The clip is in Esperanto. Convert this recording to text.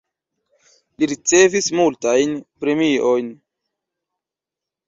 Li ricevis multajn premiojn.